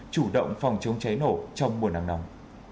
chủ động phòng chống cháy nổ trong mùa nắng nóng